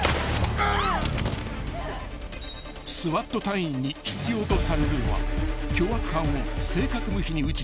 ［ＳＷＡＴ隊員に必要とされるのは］